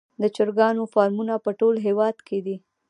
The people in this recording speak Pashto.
د چرګانو فارمونه په ټول هیواد کې دي